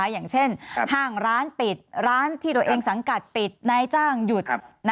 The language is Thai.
อย่างเช่นห้างร้านปิดร้านที่ตัวเองสังกัดปิดนายจ้างหยุด